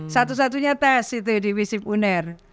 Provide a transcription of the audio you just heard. satu satunya tes itu di fisip uner